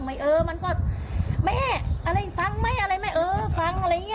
แม่ฟังไม่ฟังอะไรอิงี้